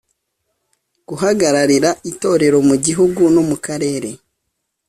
guhagararira itorero mu gihiugu no mu karere